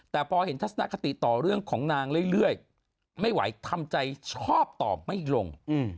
แต่พอเห็นทัศนคติต่อเรื่องของนางเรื่อยไม่ไหวทำใจชอบตอบไม่ลง